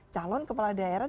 calon kepala daerah